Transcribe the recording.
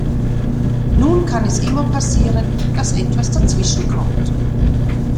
Nun kann es immer passieren, dass etwas dazwischenkommt.